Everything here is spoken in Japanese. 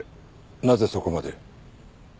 なぜそこまで？